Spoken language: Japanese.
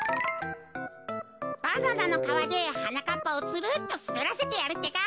バナナのかわではなかっぱをつるっとすべらせてやるってか。